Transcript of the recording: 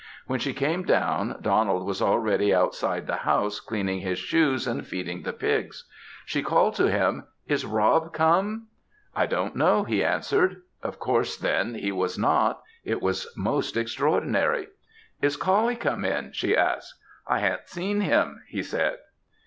When she came down, Donald was already outside the house cleaning his shoes and feeding the pigs. She called to him, "Is Rob come?" "I don't know," he answered. Of course, then, he was not. It was most extraordinary. "Is Coullie come in?" she asked. "I ha'nt seen him," he said.